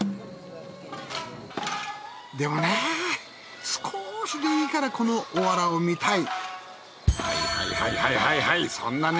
でもね少しでいいからこのおわらを見たい。